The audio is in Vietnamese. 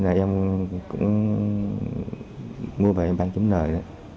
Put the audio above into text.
thế là em cũng mua về em bán kiếm nởi